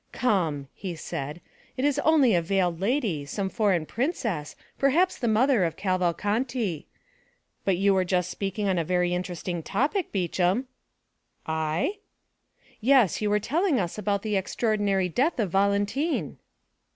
"Come," he said, "it is only a veiled lady, some foreign princess, perhaps the mother of Cavalcanti. But you were just speaking on a very interesting topic, Beauchamp." "I?" "Yes; you were telling us about the extraordinary death of Valentine."